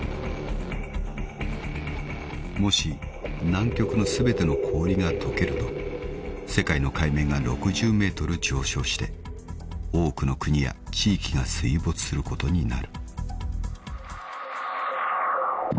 ［もし南極の全ての氷が解けると世界の海面が６０ｍ上昇して多くの国や地域が水没することになる］